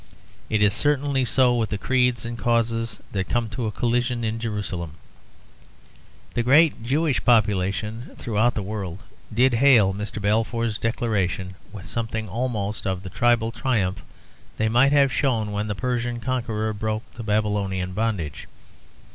It is certainly so with the creeds and causes that come to a collision in Jerusalem. The great Jewish population throughout the world did hail Mr. Balfour's declaration with something almost of the tribal triumph they might have shown when the Persian conqueror broke the Babylonian bondage.